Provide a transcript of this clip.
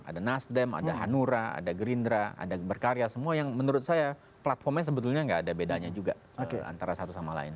ada nasdem ada hanura ada gerindra ada berkarya semua yang menurut saya platformnya sebetulnya nggak ada bedanya juga antara satu sama lain